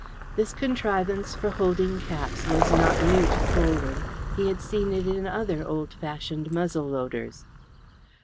This contrivance for holding caps was not new to Colwyn. He had seen it in other old fashioned muzzle loaders.